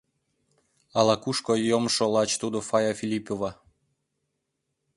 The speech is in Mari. Ала-кушко йомшо лач тудо Фая Филиппова.